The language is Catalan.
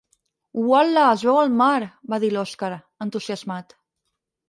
Ual·la, es veu el mar! —va dir l'Oskar, entusiasmat.